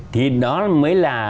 thì đó mới là